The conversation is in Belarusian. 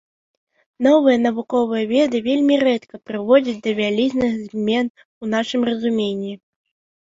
Новыя навуковыя веды вельмі рэдка прыводзяць да вялізных змен у нашым разуменні.